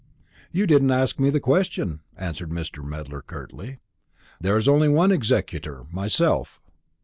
"You didn't ask me the question," answered Mr. Medler curtly. "There is only one executor myself."